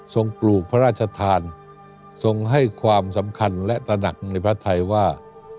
ปลูกพระราชทานทรงให้ความสำคัญและตระหนักในพระไทยว่า